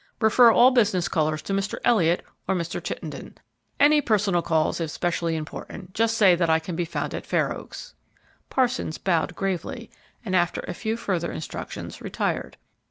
Refer all business callers to Mr. Elliott or Mr. Chittenden. Any personal calls, if specially important, just say that I can be found at Fair Oaks." Parsons bowed gravely, and after a few further instructions retired.